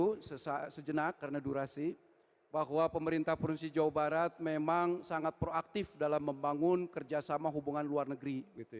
saya ingin cerita ibu kemenlu sejenak karena durasi bahwa pemerintah provinsi jawa barat memang sangat proaktif dalam membangun kerjasama hubungan luar negeri